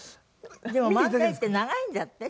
でも漫才って長いんだって？